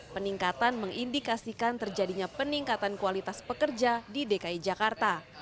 peningkatan mengindikasikan terjadinya peningkatan kualitas pekerja di dki jakarta